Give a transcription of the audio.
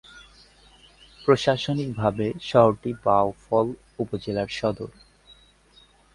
প্রশাসনিকভাবে শহরটি বাউফল উপজেলার সদর।